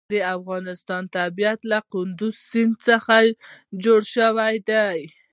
د افغانستان طبیعت له کندز سیند څخه جوړ شوی دی.